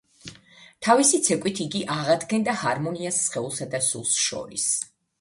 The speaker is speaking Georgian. თავისი ცეკვით იგი აღადგენდა ჰარმონიას სხეულსა და სულს შორის.